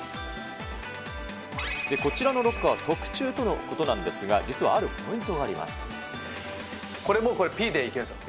こちらのロッカーは特注とのことなんですが、実はあるポイントがこれもう、ぴっでいけるんですよ。